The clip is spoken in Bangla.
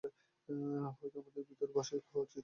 হয়তো আমাদের ভিতরে বসে খাওয়া উচিত।